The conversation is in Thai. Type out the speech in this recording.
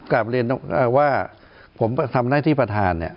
กลับเรียนว่าผมทำหน้าที่ประธานเนี่ย